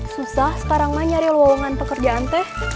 susah sekarang mah nyari lowongan pekerjaan teh